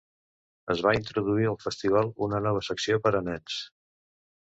Es va introduir al festival una nova secció per a nens.